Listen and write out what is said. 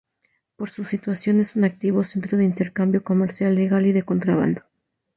Por su situación es un activo centro de intercambio comercial legal y de contrabando.